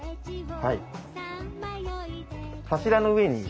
はい。